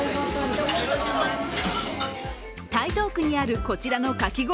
台東区にあるこちらのかき氷